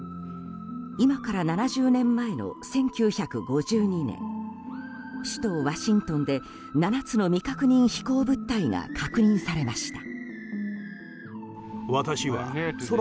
今から７０年前の１９５２年首都ワシントンで７つの未確認飛行物体が確認されました。